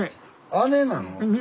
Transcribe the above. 姉なの？